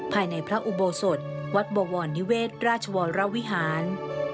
ภายในพระอุโบสถวัดบวรนิเวศราชวรวิหาร